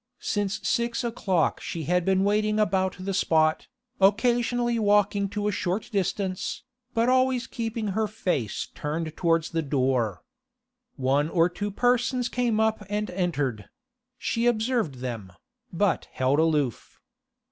Since six o'clock she had been waiting about the spot, occasionally walking to a short distance, but always keeping her face turned towards the door. One or two persons came up and entered; she observed them, but held aloof.